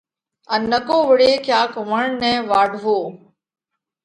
ان نڪو وۯي ڪياڪ وڻ نئہ واڍوو۔